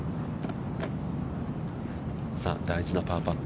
大事なパーパット。